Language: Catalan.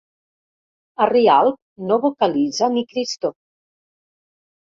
A Rialp no vocalitza ni cristo.